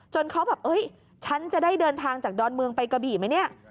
เขาแบบฉันจะได้เดินทางจากดอนเมืองไปกระบี่ไหมเนี่ย